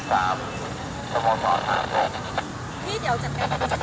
คุณพยาบาลทำการสัดเศรษฐฤทธิ์ให้รับ